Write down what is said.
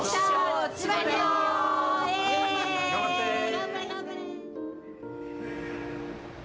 頑張れ、頑張れ！